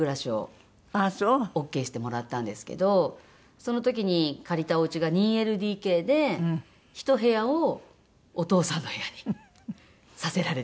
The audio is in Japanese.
その時に借りたおうちが２ＬＤＫでひと部屋をお父さんの部屋にさせられて。